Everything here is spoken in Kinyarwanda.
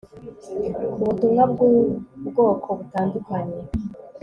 ubutumwa bwubwoko butandukanye